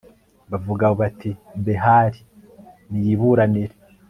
bavuga bati behali niyiburanire